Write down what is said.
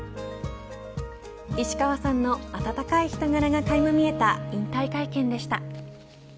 石川さんの温かい人柄がかいま見えた引退会見でした。